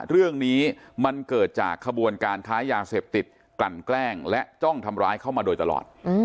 เรื่องนี้มันเกิดจากขบวนการค้ายาเสพติดกลั่นแกล้งและจ้องทำร้ายเข้ามาโดยตลอด